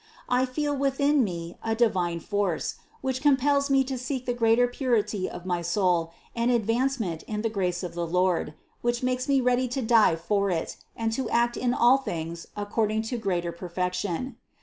I feel within me a divine force, which compels me to seek the greater purity of my soul, and advancement in the grace of the Lord, which makes me ready to die for it and to act in all things according to greater perfection.